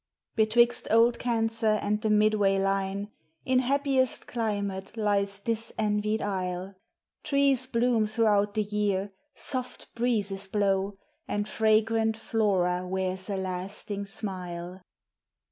Betwixt old Cancer and the midway line, In happiest climate lies this envied isle: Trees bloom throughout the year, soft breezes blow, And fragrant Flora wears a lasting smile.